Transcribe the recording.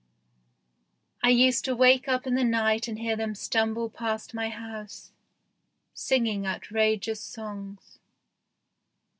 I used to wake up in the night and hear them stumble past my house, singing outrageous songs.